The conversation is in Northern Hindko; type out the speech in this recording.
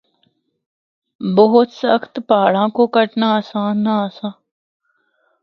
بہت سخت پہاڑاں کو کٹنا آسان نہ آسا۔